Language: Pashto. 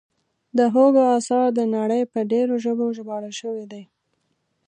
د هوګو اثار د نړۍ په ډېرو ژبو ژباړل شوي دي.